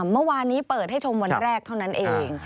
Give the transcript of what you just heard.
เมื่อวานนี้เปิดให้ชมวันแรกเท่านั้นเอง